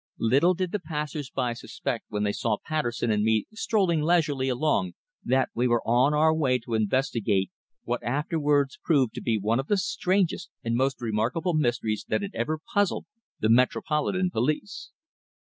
Little did the passers by suspect when they saw Patterson and me strolling leisurely along that we were on our way to investigate what afterwards proved to be one of the strangest and most remarkable mysteries that had ever puzzled the Metropolitan Police.